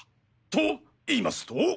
と言いますと？